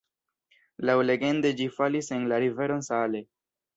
Laŭlegende ĝi falis en la riveron Saale.